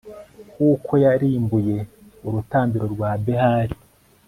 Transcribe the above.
kuko yarimbuye urutambiro rwa behali